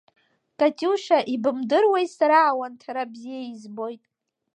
Катиуша, ибымдыруеи, сара ауанҭара бзиа избоит.